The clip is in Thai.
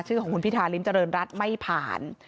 ชื่อของคุณพิธาริมเจริญรัฐไม่ผ่าน